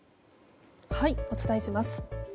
お伝えします。